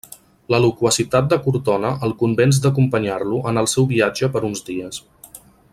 La loquacitat de Cortona el convenç d'acompanyar-lo en el seu viatge per uns dies.